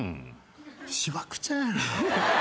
しわくちゃやな。